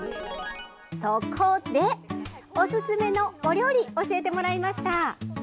そこで、おすすめのお料理教えてもらいました。